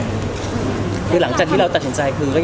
คือหลังจากที่เราตัดสินใจคือ